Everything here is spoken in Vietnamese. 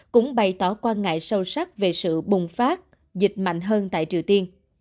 cũng bày tỏ quan ngại sâu sắc về sự bùng phát dịch mạnh hơn tại triều tiên